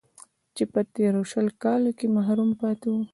چې په تېرو شل کالو کې محروم پاتې و